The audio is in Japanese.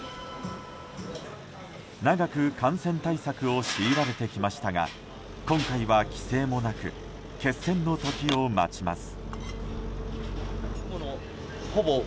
長く感染対策を強いられてきましたが今回は規制もなく決戦の時を待ちます。